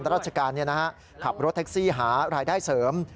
ราชการขับรถแท็กซี่หารายได้เสริม